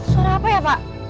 suara apa ya pak